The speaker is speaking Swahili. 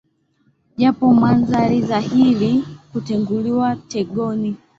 Japo maradhi dhahili, kuteguliwa tegoni,